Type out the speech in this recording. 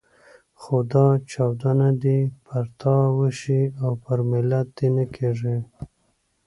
خو دا چاودنه دې پر تا وشي او پر ملت دې نه کېږي.